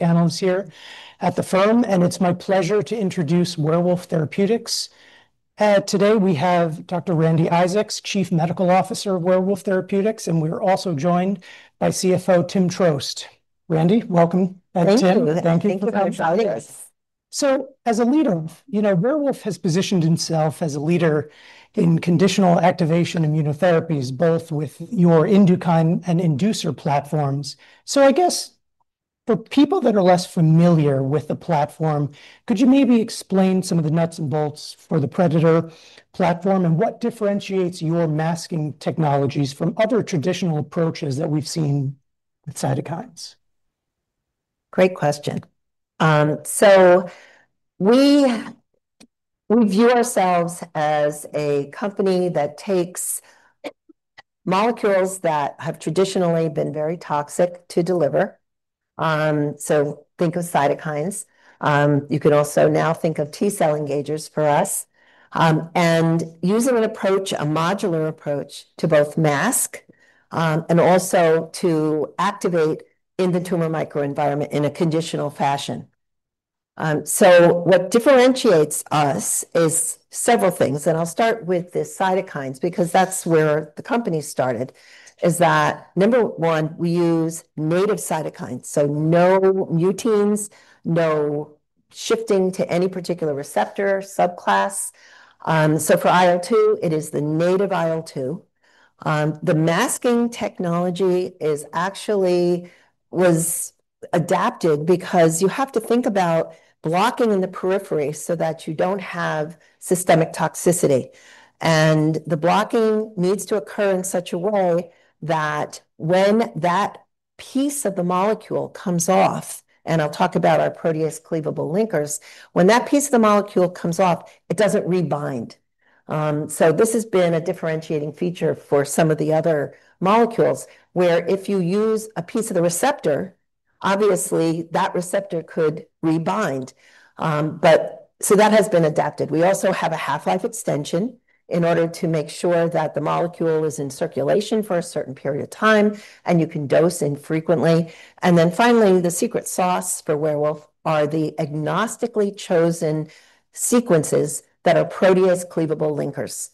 Announcer here at the firm, and it's my pleasure to introduce Werewolf Therapeutics. Today, we have Dr. Randi Isaacs, Chief Medical Officer of Werewolf Therapeutics, and we're also joined by CFO Tim Troost. Randi, welcome. Thank you for having me. Werewolf has positioned itself as a leader in conditional activation immunotherapies, both with your INDUKINE and INDUCER platforms. For people that are less familiar with the platform, could you maybe explain some of the nuts and bolts for the PREDATOR platform and what differentiates your masking technologies from other traditional approaches that we've seen with cytokines? Great question. We view ourselves as a company that takes molecules that have traditionally been very toxic to deliver. Think of cytokines. You can also now think of T-cell engagers for us and use a modular approach to both mask and also to activate in the tumor microenvironment in a conditional fashion. What differentiates us is several things, and I'll start with the cytokines because that's where the company started. Number one, we use native cytokines. No mutants, no shifting to any particular receptor subclass. For IL-2, it is the native IL-2. The masking technology actually was adapted because you have to think about blocking in the periphery so that you don't have systemic toxicity. The blocking needs to occur in such a way that when that piece of the molecule comes off, and I'll talk about our protease-cleavable linkers, when that piece of the molecule comes off, it doesn't rebind. This has been a differentiating feature for some of the other molecules where if you use a piece of the receptor, obviously that receptor could rebind. That has been adapted. We also have a half-life extension in order to make sure that the molecule is in circulation for a certain period of time and you can dose infrequently. Finally, the secret sauce for Werewolf Therapeutics are the agnostically chosen sequences that are protease-cleavable linkers.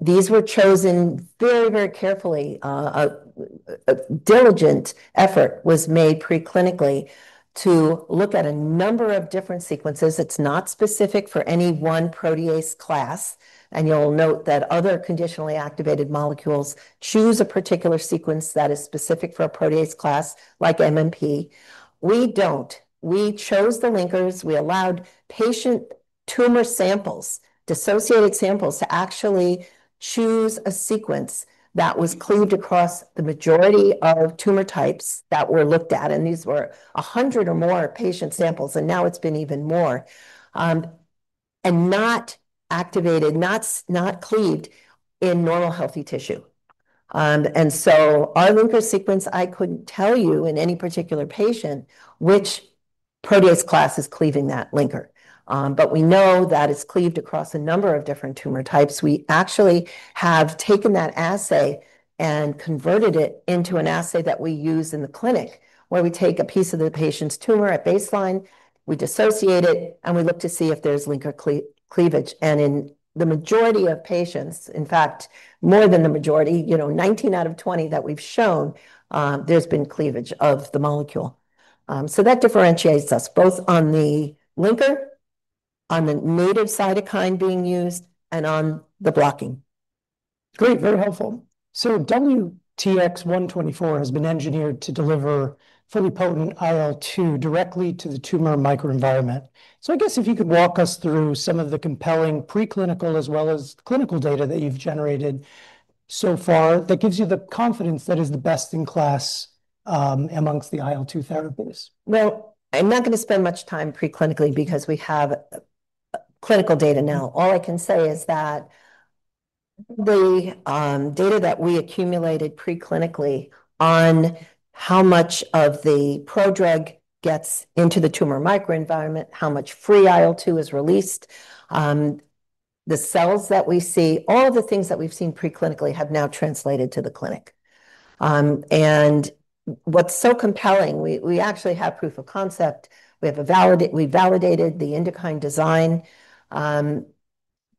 These were chosen very, very carefully. A diligent effort was made preclinically to look at a number of different sequences. It's not specific for any one protease class. You'll note that other conditionally activated molecules choose a particular sequence that is specific for a protease class like MMP. We don't. We chose the linkers. We allowed patient tumor samples, dissociated samples, to actually choose a sequence that was cleaved across the majority of tumor types that were looked at. These were 100 or more patient samples, and now it's been even more. Not activated, not cleaved in normal healthy tissue. Our linker sequence, I couldn't tell you in any particular patient which protease class is cleaving that linker. We know that it's cleaved across a number of different tumor types. We actually have taken that assay and converted it into an assay that we use in the clinic where we take a piece of the patient's tumor at baseline, we dissociate it, and we look to see if there's linker cleavage. In the majority of patients, in fact, more than the majority, you know, 19 out of 20 that we've shown, there's been cleavage of the molecule. That differentiates us both on the linker, on the native cytokine being used, and on the blocking. Great, very helpful. WTX-124 has been engineered to deliver fully potent IL-2 directly to the tumor microenvironment. I guess if you could walk us through some of the compelling preclinical as well as clinical data that you've generated so far, that gives you the confidence that it's the best in class amongst the IL-2 therapies. I'm not going to spend much time preclinically because we have clinical data now. All I can say is that the data that we accumulated preclinically on how much of the prodrug gets into the tumor microenvironment, how much free IL-2 is released, the cells that we see, all of the things that we've seen preclinically have now translated to the clinic. What's so compelling, we actually have proof of concept. We validated the INDUKINE design.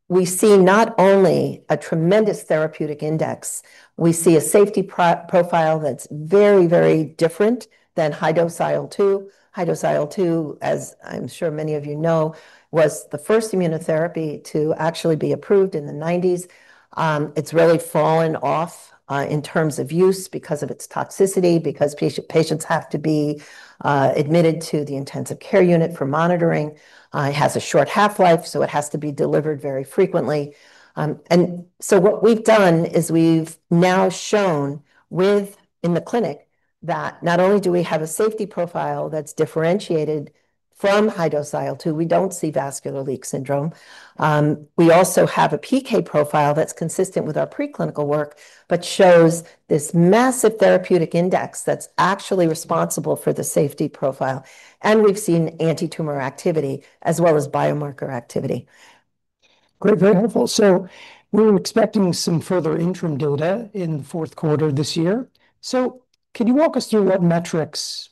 We see not only a tremendous therapeutic index, we see a safety profile that's very, very different than high-dose IL-2. High-dose IL-2, as I'm sure many of you know, was the first immunotherapy to actually be approved in the 1990s. It's really fallen off in terms of use because of its toxicity, because patients have to be admitted to the intensive care unit for monitoring. It has a short half-life, so it has to be delivered very frequently. What we've done is we've now shown in the clinic that not only do we have a safety profile that's differentiated from high-dose IL-2, we don't see vascular leak syndrome. We also have a PK profile that's consistent with our preclinical work, but shows this massive therapeutic index that's actually responsible for the safety profile. We've seen anti-tumor activity as well as biomarker activity. Great, very helpful. We're expecting some further interim data in the fourth quarter this year. Can you walk us through what metrics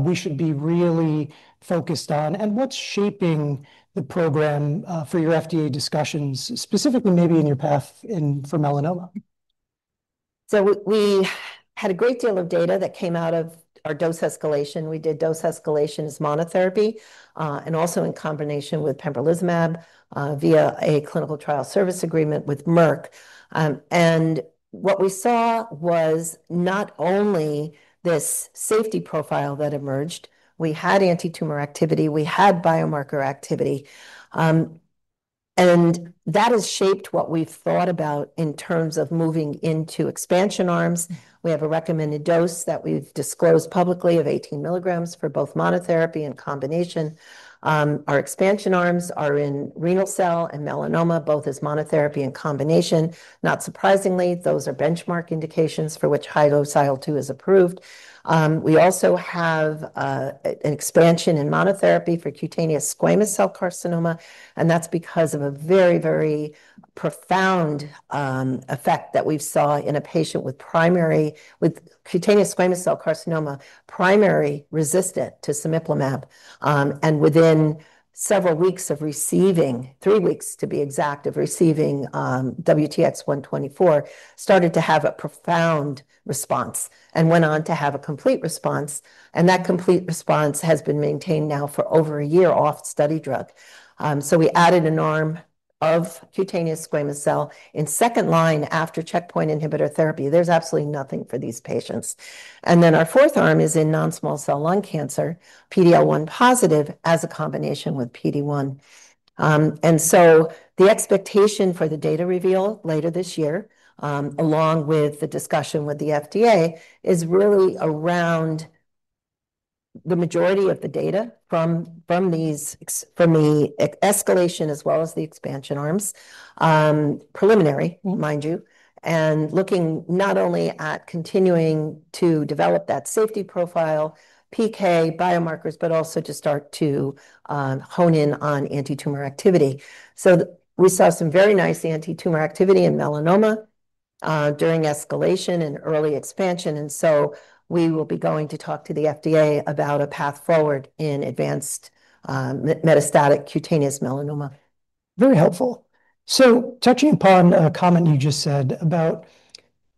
we should be really focused on and what's shaping the program for your FDA discussions, specifically maybe in your path for melanoma? We had a great deal of data that came out of our dose escalation. We did dose escalations as monotherapy and also in combination with pembrolizumab via a clinical trial service agreement with Merck. What we saw was not only this safety profile that emerged, we had anti-tumor activity, we had biomarker activity, and that has shaped what we've thought about in terms of moving into expansion arms. We have a recommended dose that we've disclosed publicly of 18 milligrams for both monotherapy and combination. Our expansion arms are in renal cell and melanoma, both as monotherapy and combination. Not surprisingly, those are benchmark indications for which high-dose IL-2 is approved. We also have an expansion in monotherapy for cutaneous squamous cell carcinoma, and that's because of a very, very profound effect that we saw in a patient with cutaneous squamous cell carcinoma, primary resistant to cimaplamab. Within several weeks of receiving, three weeks to be exact, of receiving WTX-124, started to have a profound response and went on to have a complete response. That complete response has been maintained now for over a year off study drug. We added an arm of cutaneous squamous cell in second line after checkpoint inhibitor therapy. There's absolutely nothing for these patients. Our fourth arm is in non-small cell lung cancer, PD-L1 positive as a combination with PD-1. The expectation for the data reveal later this year, along with the discussion with the FDA, is really around the majority of the data from the escalation as well as the expansion arms, preliminary, mind you, and looking not only at continuing to develop that safety profile, PK, biomarkers, but also to start to hone in on anti-tumor activity. We saw some very nice anti-tumor activity in melanoma during escalation and early expansion. We will be going to talk to the FDA about a path forward in advanced metastatic cutaneous melanoma. Very helpful. Touching upon a comment you just said about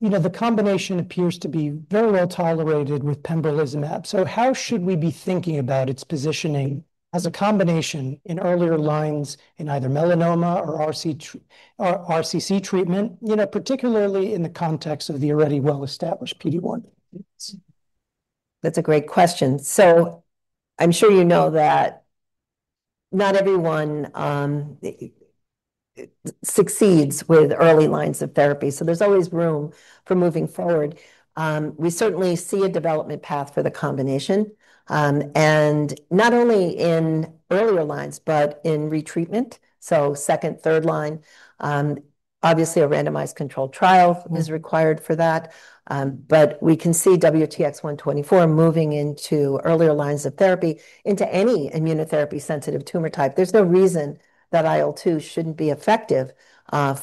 the combination appears to be very well tolerated with pembrolizumab. How should we be thinking about its positioning as a combination in earlier lines in either melanoma or RCC treatment, particularly in the context of the already well-established PD-1? That's a great question. I'm sure you know that not everyone succeeds with early lines of therapy, so there's always room for moving forward. We certainly see a development path for the combination, and not only in earlier lines, but in retreatment. Second, third line, obviously a randomized controlled trial is required for that. We can see WTX-124 moving into earlier lines of therapy, into any immunotherapy-sensitive tumor type. There's no reason that IL-2 shouldn't be effective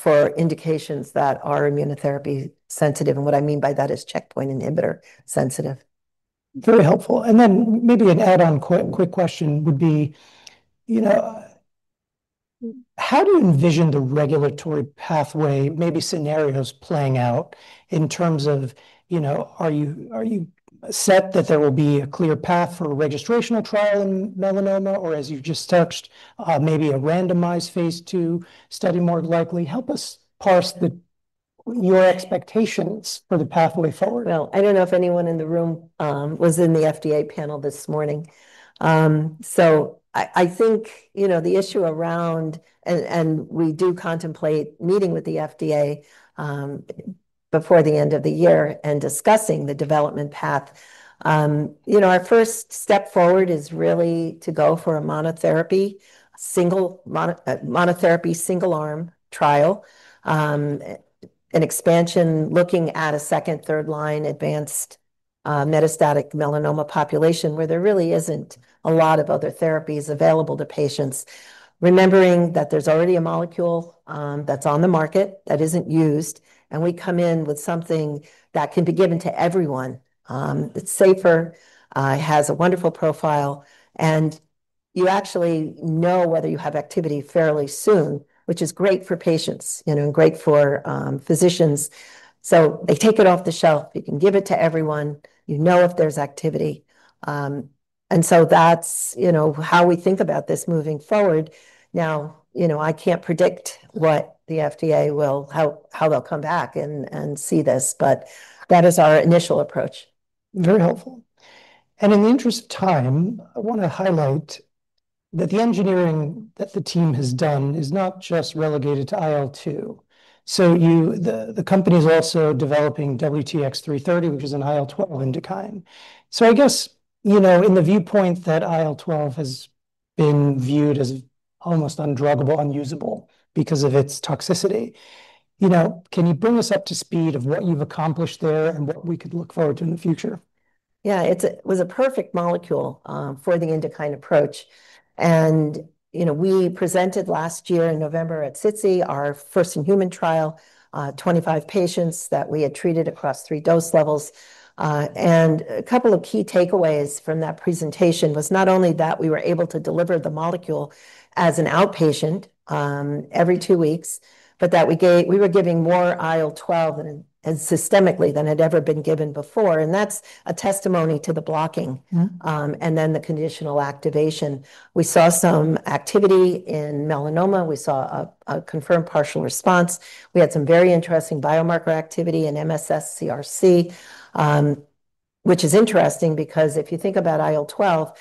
for indications that are immunotherapy-sensitive. What I mean by that is checkpoint inhibitor-sensitive. Very helpful. Maybe an add-on quick question would be, you know, how do you envision the regulatory pathway, maybe scenarios playing out in terms of, you know, are you set that there will be a clear path for a registrational trial in melanoma or, as you just touched, maybe a randomized phase two study more likely? Help us parse your expectations for the pathway forward. I don't know if anyone in the room was in the FDA panel this morning. I think, you know, the issue around, and we do contemplate meeting with the FDA before the end of the year and discussing the development path. Our first step forward is really to go for a monotherapy, single monotherapy, single arm trial and expansion, looking at a second, third line advanced metastatic melanoma population where there really isn't a lot of other therapies available to patients, remembering that there's already a molecule that's on the market that isn't used. We come in with something that can be given to everyone that's safer, has a wonderful profile, and you actually know whether you have activity fairly soon, which is great for patients, you know, and great for physicians. They take it off the shelf. You can give it to everyone. You know if there's activity. That's how we think about this moving forward. Now, I can't predict what the FDA will, how they'll come back and see this, but that is our initial approach. Very helpful. In the interest of time, I want to highlight that the engineering that the team has done is not just relegated to IL-2. The company is also developing WTX-330, which is an IL-12 INDUKINE. I guess, in the viewpoint that IL-12 has been viewed as almost undruggable, unusable because of its toxicity, can you bring us up to speed of what you've accomplished there and what we could look forward to in the future? Yeah, it was a perfect molecule for the INDUKINE approach. You know, we presented last year in November at SITC our first-in-human trial, 25 patients that we had treated across three dose levels. A couple of key takeaways from that presentation were not only that we were able to deliver the molecule as an outpatient every two weeks, but that we were giving more IL-12 systemically than had ever been given before. That's a testimony to the blocking and then the conditional activation. We saw some activity in melanoma. We saw a confirmed partial response. We had some very interesting biomarker activity in microsatellite stable colorectal cancer, which is interesting because if you think about IL-12,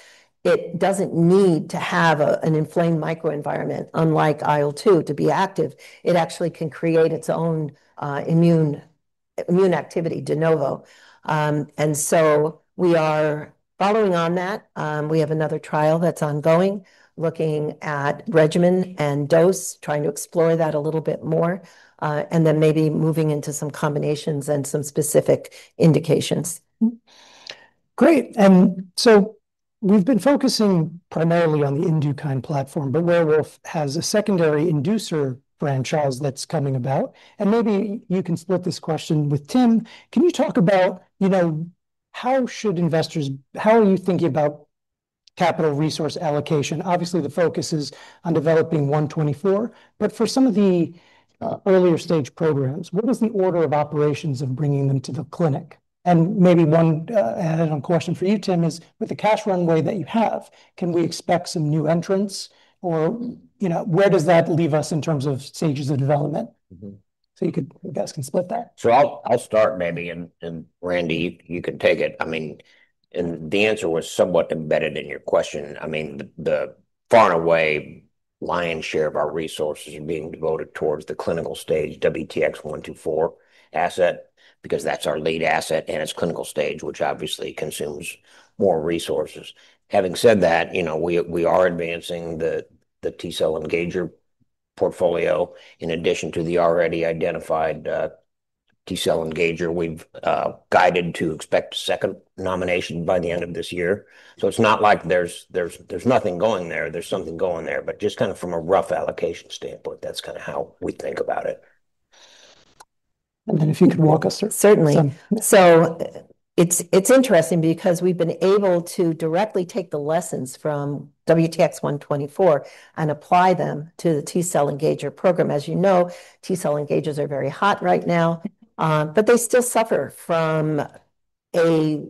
it doesn't need to have an inflamed microenvironment unlike IL-2 to be active. It actually can create its own immune activity de novo. We are following on that. We have another trial that's ongoing, looking at regimen and dose, trying to explore that a little bit more, and maybe moving into some combination settings and some specific indications. Great. We've been focusing primarily on the INDUKINE platform, but Werewolf Therapeutics has a secondary INDUKINE franchise that's coming about. Maybe you can split this question with Tim. Can you talk about how should investors, how are you thinking about capital resource allocation? Obviously, the focus is on developing WTX-124, but for some of the earlier stage programs, what was the order of operations of bringing them to the clinic? One add-on question for you, Tim, is with the cash runway that you have, can we expect some new entrants or where does that leave us in terms of stages of development? You best can split that. I'll start maybe, and Randi, you can take it. The answer was somewhat embedded in your question. The far and away lion's share of our resources is being devoted towards the clinical stage WTX-124 asset because that's our lead clinical asset and it's clinical stage, which obviously consumes more resources. Having said that, we are advancing the T-cell engager portfolio in addition to the already identified T-cell engager. We've guided to expect a second nomination by the end of this year. It's not like there's nothing going there. There's something going there, but just kind of from a rough allocation standpoint, that's kind of how we think about it. If you could walk us through. Certainly. It's interesting because we've been able to directly take the lessons from WTX-124 and apply them to the T-cell engager program. As you know, T-cell engagers are very hot right now, but they still suffer from, I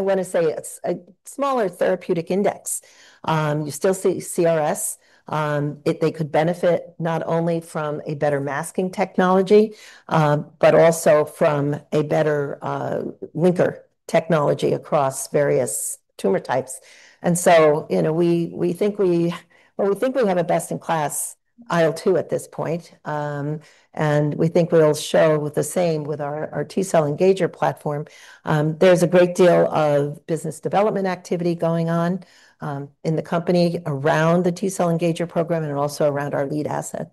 want to say, a smaller therapeutic index. You still see CRS. They could benefit not only from a better masking technology, but also from a better linker technology across various tumor types. We think we have a best-in-class IL-2 at this point, and we think we'll show the same with our T-cell engager platform. There's a great deal of business development activity going on in the company around the T-cell engager program and also around our lead asset.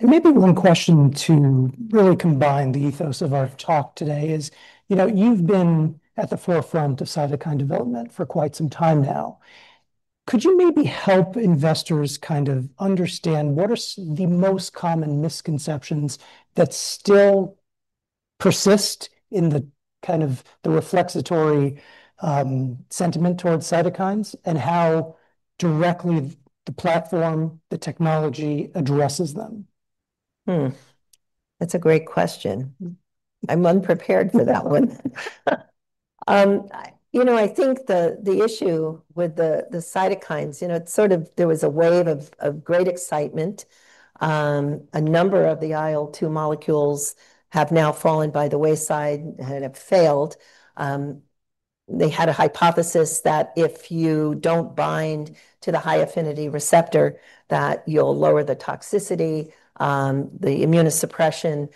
Maybe one question to really combine the ethos of our talk today is, you know, you've been at the forefront of cytokine development for quite some time now. Could you maybe help investors kind of understand what are the most common misconceptions that still persist in the reflexatory sentiment towards cytokines and how directly the platform, the technology addresses them? That's a great question. I think the issue with the cytokines, you know, it's sort of, there was a wave of great excitement. A number of the IL-2 molecules have now fallen by the wayside and have failed. They had a hypothesis that if you don't bind to the high affinity receptor, that you'll lower the toxicity, the immunosuppression.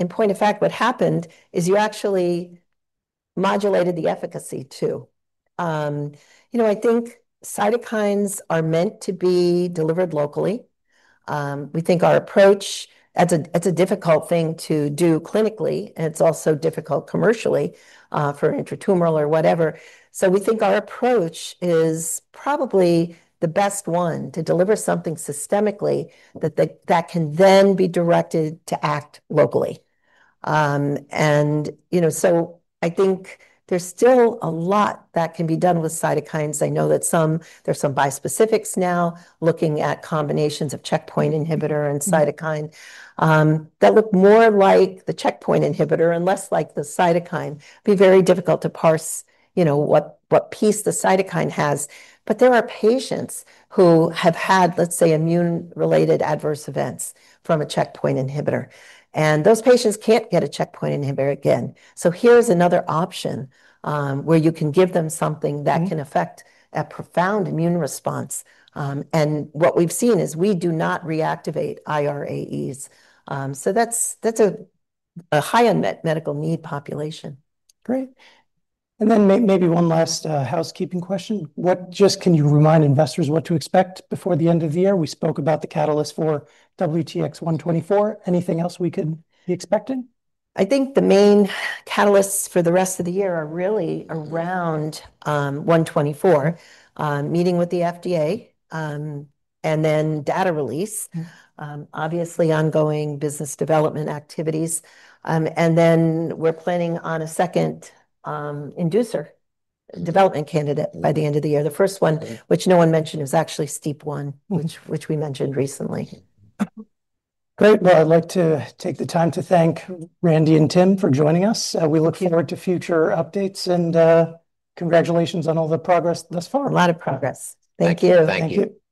In point of fact, what happened is you actually modulated the efficacy too. I think cytokines are meant to be delivered locally. We think our approach, it's a difficult thing to do clinically, and it's also difficult commercially for intratumoral or whatever. We think our approach is probably the best one to deliver something systemically that can then be directed to act locally. I think there's still a lot that can be done with cytokines. I know that there's some bispecifics now looking at combinations of checkpoint inhibitor and cytokine that look more like the checkpoint inhibitor and less like the cytokine. It'd be very difficult to parse what piece the cytokine has. There are patients who have had, let's say, immune-related adverse events from a checkpoint inhibitor, and those patients can't get a checkpoint inhibitor again. Here's another option where you can give them something that can affect a profound immune response. What we've seen is we do not reactivate IRAEs. That's a high-end medical need population. Great. Maybe one last housekeeping question. Can you remind investors what to expect before the end of the year? We spoke about the catalyst for WTX-124. Anything else we could be expecting? I think the main catalysts for the rest of the year are really around WTX-124, meeting with the FDA, and then data release, obviously ongoing business development activities. We're planning on a second INDUKINE development candidate by the end of the year. The first one, which no one mentioned, is actually STEP1, which we mentioned recently. Great. I'd like to take the time to thank Randi and Tim for joining us. We look forward to future updates and congratulations on all the progress thus far. A lot of progress. Thank you. Thank you.